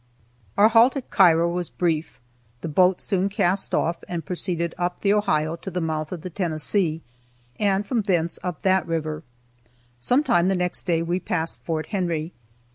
Our halt at Cairo was brief; the boat soon cast off and proceeded up the Ohio to the mouth of the Tennessee, and from thence up that river. Some time the next day we passed Fort Henry.